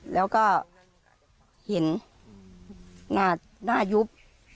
แล้วก็เห็นหน้ายุบ